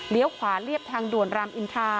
ขวาเรียบทางด่วนรามอินทา